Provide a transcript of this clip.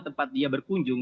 tempat dia berkunjung